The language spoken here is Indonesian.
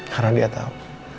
karena dia tau